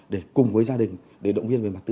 để cùng với gia đình để động viên về mặt tư